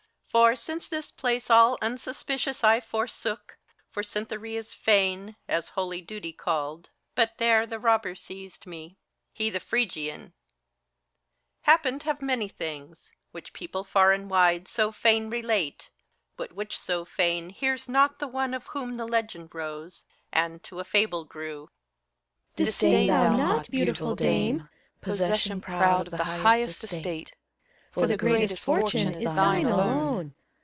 For, since this place all unsuspicious I forsook For CytherflBa's fane, as holy duty called. But there the robber seized me, he the Phrygian, — Happened have many things, which people far and wide So fain relate, but which so fain hears not the one Of whom the legend rose, and to a fable grew. CHORUS. Disdain thou not, beautiful Dame, Possession proud of the highest estate ! For the greatest fortune is thine alone.